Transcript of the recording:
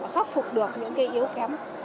khắc phục được những cái yếu kém